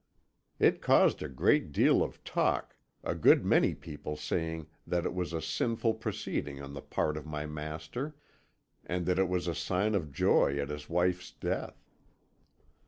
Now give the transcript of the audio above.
"It caused a great deal of talk, a good many people saying that it was a sinful proceeding on the part of my master, and that it was a sign of joy at his wife's death.